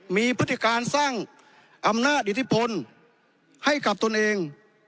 มีพฤติการสร้างอำนาจอิทธิพลให้กับตนเอง